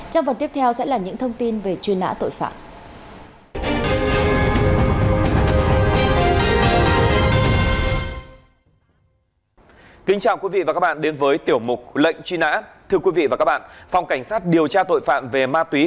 trong phần tiếp theo sẽ là những thông tin về truy nã tội phạm